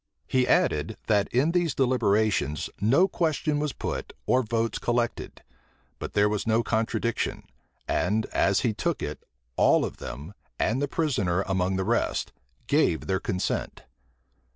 He added, that in these deliberations no question was put, or votes collected; but there was no contradiction; and, as he took it, all of them, and the prisoner among the rest, gave their consent.